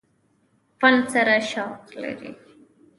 فن سره شوق لري ۔